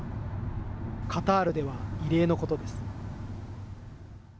カタールでは異例のことです。